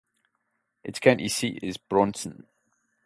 Its county seat is Bronson.